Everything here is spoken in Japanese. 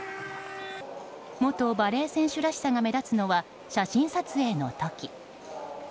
元バレー選手らしさが目立つのは写真撮影の時。